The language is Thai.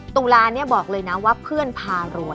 ตุลาเนี่ยบอกเลยนะว่าเพื่อนพารวย